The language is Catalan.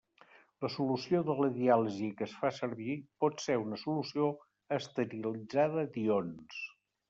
La solució de la diàlisi que es fa servir pot ser una solució esterilitzada d'ions.